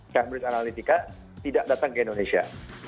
chambridge analytica tidak datang ke indonesia